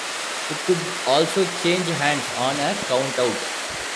It could also change hands on a countout.